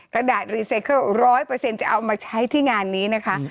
กระดาษรีไซเคิล๑๐๐จะเอามาใช้ที่งานนี้นะคะ